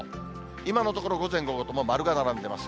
今のところ午前、午後とも丸が並んでいます。